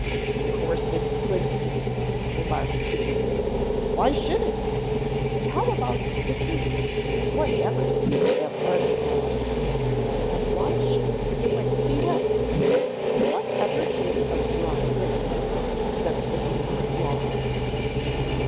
"Of course it couldn't," remarked the guinea pig. "Why should it? And how about the trees? One never sees them running around. And why shouldn't the rain be wet? Did one ever hear of dry rain except the Raines law?"